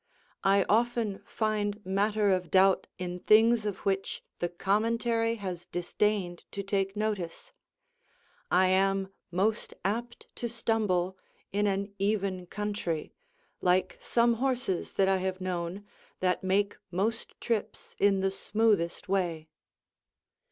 I often find matter of doubt in things of which the commentary has disdained to take notice; I am most apt to stumble in an even country, like some horses that I have known, that make most trips in the smoothest way.